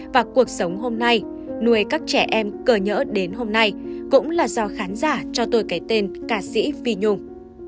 và cuộc sống hôm nay nuôi các trẻ em cờ nhỡ đến hôm nay cũng là do khán giả cho tôi cái tên ca sĩ phi nhung